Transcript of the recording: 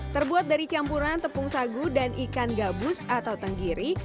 terbuat dari campuran tepung sagu dan ikan gabus atau tenggiri